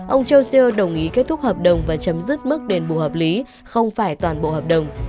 ông joeer đồng ý kết thúc hợp đồng và chấm dứt mức đền bù hợp lý không phải toàn bộ hợp đồng